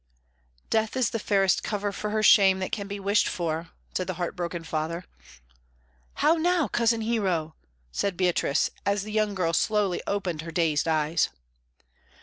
"Death is the fairest cover for her shame that can be wished for," said the heart broken father. "How now, Cousin Hero!" said Beatrice, as the young girl slowly opened her dazed eyes.